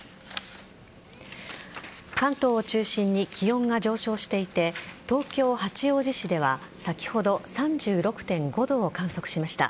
関東を中心に気温が上昇していて東京・八王子市では先ほど３６．５度を観測しました。